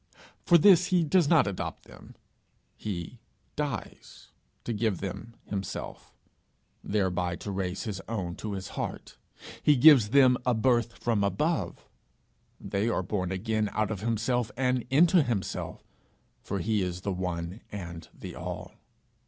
For this he does not adopt them; he dies to give them himself, thereby to raise his own to his heart; he gives them a birth from above; they are born again out of himself and into himself for he is the one and the all.